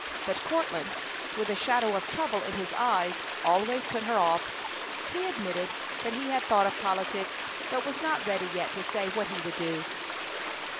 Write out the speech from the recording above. But Courtland, with a shadow of trouble in his eyes, always put her off. He admitted that he had thought of politics, but was not ready yet to say what he would do.